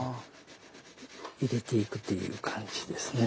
入れていくという感じですね。